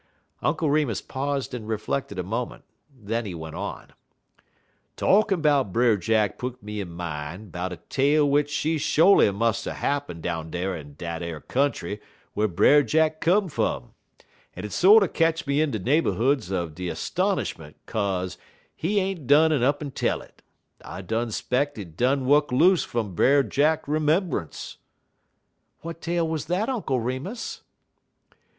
Uncle Remus paused and reflected a moment. Then he went on: "Talkin' 'bout Brer Jack put me in min' 'bout a tale w'ich she sho'ly mus' er happen down dar in dat ar country whar Brer Jack come fum, en it sorter ketch me in de neighborhoods er de 'stonishment 'kaze he ain't done up'n tell it. I 'speck it done wuk loose fum Brer Jack 'membunce." "What tale was that, Uncle Remus?"